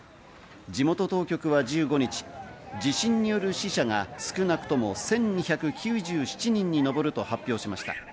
地元当局は１５日、地震による死者が少なくとも１２９７人にのぼると発表しました。